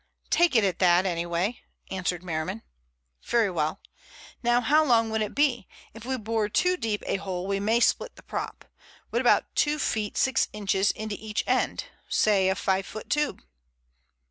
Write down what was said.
"Take it at that anyway," answered Merriman. "Very well. Now how long would it be? If we bore too deep a hole we may split the prop. What about two feet six inches into each end? Say a five foot tube?"